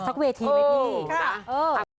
ซักเวทีไหมพี่